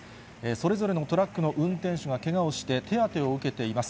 それぞれのトラックの運転手がけがをして、手当てを受けています。